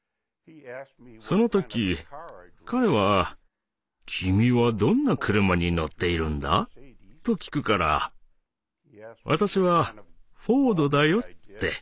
その時彼は「君はどんな車に乗っているんだ？」と聞くから私は「フォードだよ」って。